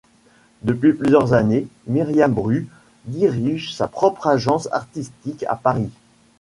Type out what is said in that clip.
Depuis plusieurs années, Myriam Bru dirige sa propre agence artistique à Paris.